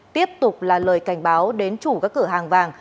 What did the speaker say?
tiếp tục là lời cảnh báo đến chủ các cửa hàng vàng